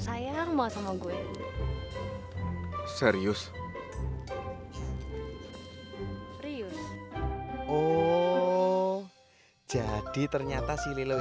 saya yang masuk